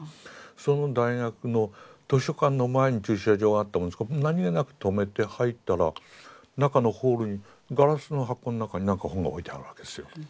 その大学の図書館の前に駐車場があったものですから何気なく止めて入ったら中のホールにガラスの箱の中になんか本が置いてあるわけですよ。